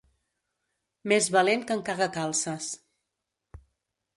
Més valent que en Cagacalces.